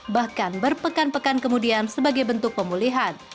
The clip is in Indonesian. bahkan berpekan pekan kemudian sebagai bentuk pemulihan